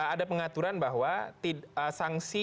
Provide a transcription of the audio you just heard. ada pengaturan bahwa tidak sangsi